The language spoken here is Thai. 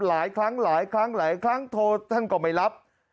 หลายครั้งโทรท่านก็ไม่รับ